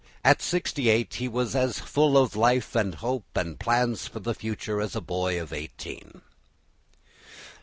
At sixty eight he was as full of life and hope and plans for the future as a boy of eighteen.